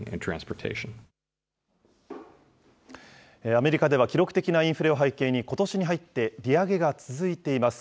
アメリカでは記録的なインフレを背景に、ことしに入って利上げが続いています。